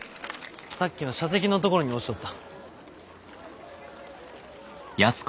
さっきの射的の所に落ちとった。